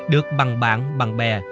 được bằng bạn bằng bè